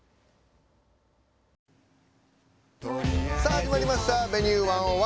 始まりました「Ｖｅｎｕｅ１０１」。